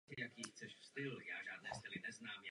To už není tržní hospodářství, ale hospodářství džungle.